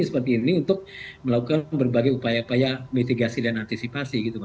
seperti ini untuk melakukan berbagai upaya upaya mitigasi dan antisipasi gitu